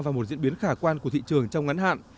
vào một diễn biến khả quan của thị trường trong ngắn hạn